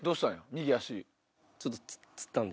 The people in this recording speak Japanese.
右足。